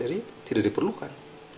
jadi tidak diperlukan